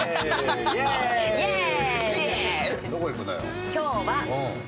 イエーイ！